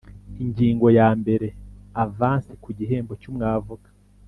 ingingo ya mbere avansi ku gihembo cy umwavoka